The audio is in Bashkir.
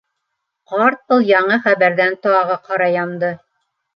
Ҡарт был яңы хәбәрҙән тағы ҡара янды: